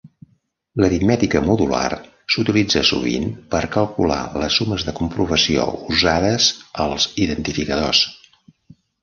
L'aritmètica modular s'utilitza sovint per calcular les sumes de comprovació usades als identificadors.